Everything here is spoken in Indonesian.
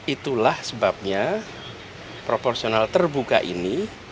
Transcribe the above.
itulah sebabnya proporsional terbuka ini